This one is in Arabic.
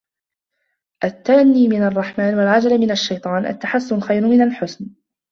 التأني من الرحمن والعجلة من الشيطان التَّحَسُّنُ خير من الْحُسْنِ